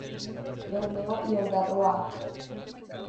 Bermeo y Ondárroa".